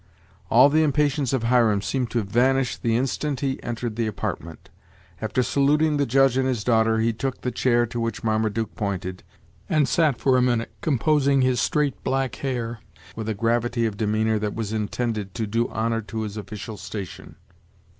All the impatience of Hiram seemed to vanish the instant he entered the apartment. After saluting the Judge and his daughter, he took the chair to which Marmaduke pointed, and sat for a minute, composing his straight black hair, with a gravity of demeanor that was in tended to do honor to his official station.